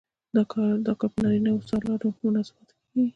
دا کار په نارینه سالارو مناسباتو کې کیږي.